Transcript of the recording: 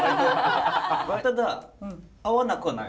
ただ合わなくはない。